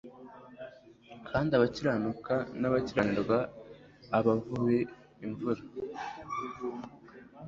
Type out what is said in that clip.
kandi abakiranuka n'abakiranirwa abavubira imvura.»